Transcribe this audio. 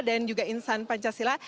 dan juga insan pancasila